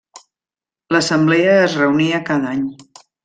L'Assemblea es reunia cada any.